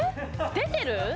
出てる！